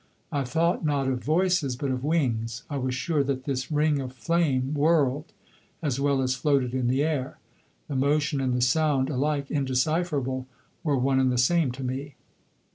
I thought not of voices but of wings. I was sure that this ring of flame whirled as well as floated in the air; the motion and the sound, alike indecipherable, were one and the same to me.